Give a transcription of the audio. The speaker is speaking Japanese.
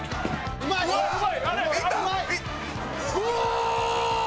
うまい！